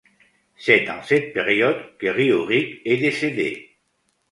C'est en cette période que Riourik est décédé.